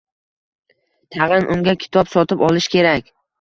Tag`in unga kitob sotib olish kerak